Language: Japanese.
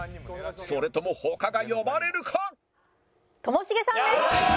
それとも他が呼ばれるか？ともしげさんです！